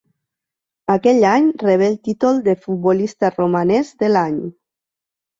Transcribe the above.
Aquell any rebé el títol de Futbolista Romanès de l'Any.